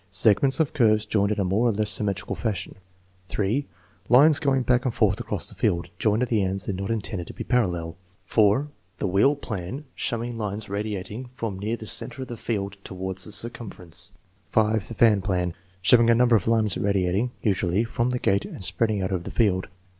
Segments of curves joined in a more or less symmetrical fashion. 3. Lines going back and forth across the field, joined at the ends and not intended to be parallel. 4. The "wheel plan," showing lines radiating from near the center of the field toward the circumference. 5. The "fan plan," showing a number of lines radiating (usu ally) from the gate and spreading out over the field.